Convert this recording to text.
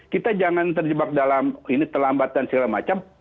kita jangan terjebak dalam ini terlambat dan segala macam